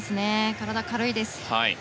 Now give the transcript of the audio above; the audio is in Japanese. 体が軽いです。